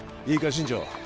新庄